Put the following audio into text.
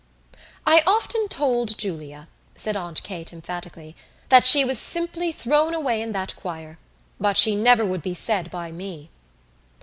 "I often told Julia," said Aunt Kate emphatically, "that she was simply thrown away in that choir. But she never would be said by me."